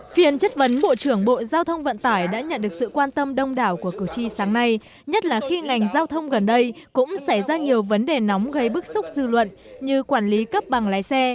phiên chất vấn bộ trưởng bộ giao thông vận tải đã nhận được sự quan tâm đông đảo của cử tri sáng nay nhất là khi ngành giao thông gần đây cũng xảy ra nhiều vấn đề nóng gây bức xúc dư luận như quản lý cấp bằng lái xe